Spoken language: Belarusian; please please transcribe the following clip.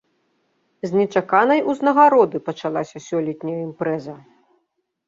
З нечаканай узнагароды пачалася сёлетняя імпрэза.